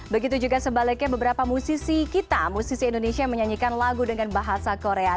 begitu juga sebaliknya beberapa musisi kita musisi indonesia yang menyanyikan lagu dengan bahasa korea